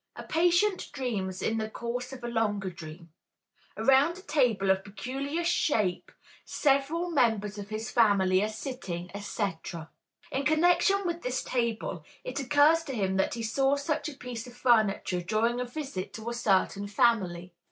A patient dreams, in the course of a longer dream: "Around a table of peculiar shape several members of his family are sitting, etc." In connection with this table, it occurs to him that he saw such a piece of furniture during a visit to a certain family.